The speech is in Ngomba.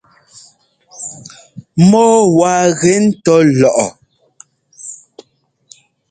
Mɔ́ɔ waa gɛ́ ńtɔ́ lɔʼɔ.